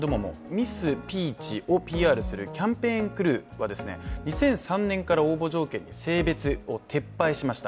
ミスピーチをＰＲするキャンペーンクルーは、２００３年から応募条件に性別を撤廃しました。